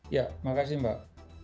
ya makasih mbak